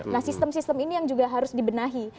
nah sistem sistem ini yang juga harus dibenahi